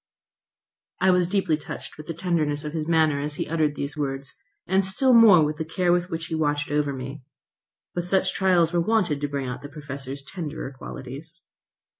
I was deeply touched with the tenderness of his manner as he uttered these words, and still more with the care with which he watched over me. But such trials were wanted to bring out the Professor's tenderer qualities.